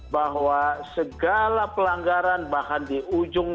bahwa segala pelanggaran bahkan di ujung